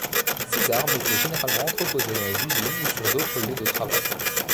Ces armes étaient généralement entreposées dans les usines ou sur d'autres lieux de travail.